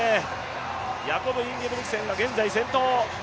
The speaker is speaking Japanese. ヤコブ・インゲブリクセンが現在先頭。